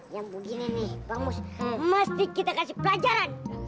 yang begini nih bang mus mesti kita kasih pelajaran